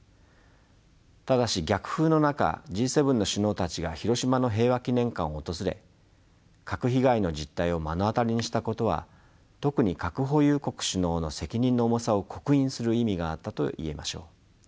ただし逆風の中Ｇ７の首脳たちが広島の平和記念館を訪れ核被害の実態を目の当たりにしたことは特に核保有国首脳の責任の重さを刻印する意味があったと言えましょう。